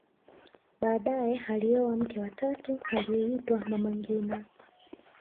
baadaye alioa mke wa tatu aliyeitwa mama ngina